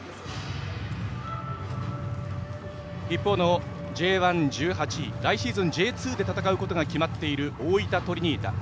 一方のＪ１、１８位来シーズンＪ２で戦うことが決まっている大分トリニータ。